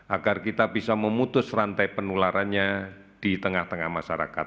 agar kita bisa memutus rantai penularannya di tengah tengah masyarakat